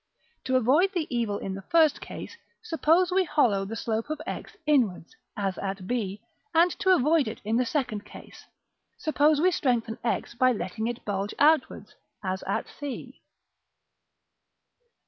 To avoid the evil in the first case, suppose we hollow the slope of X inwards, as at b; and to avoid it in the second case, suppose we strengthen X by letting it bulge outwards, as at c.